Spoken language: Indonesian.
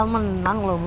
el menang loh bu